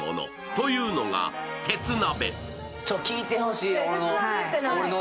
というのが鉄鍋。